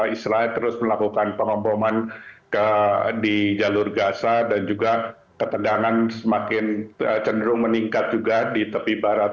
israel terus melakukan pengoboman di jalur gaza dan juga ketegangan semakin cenderung meningkat juga di tepi barat